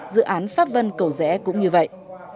dự án pháp vân cầu rẽ cũng như vậy